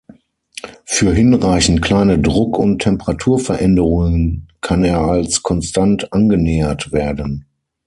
Für hinreichend kleine Druck- und Temperaturveränderungen kann er als konstant angenähert werden.